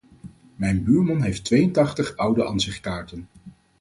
Mijn buurman heeft tweeëntachtig oude ansichtkaarten.